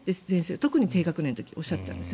特に低学年の時におっしゃっていたんです。